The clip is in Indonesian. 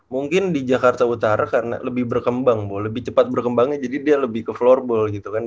mungkin di jakarta utara karena lebih berkembang bu lebih cepat berkembangnya jadi dia lebih ke floorball gitu kan